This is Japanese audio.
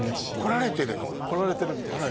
あっ！来られてるみたいですね。